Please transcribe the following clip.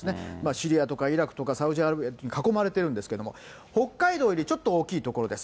シリアとかイラクとかサウジアラビア、囲まれてるんですけれども、北海道よりちょっと大きい所です。